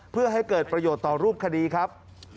เพื่อให้เกิดประโยชน์ต่อรูปคดีครับ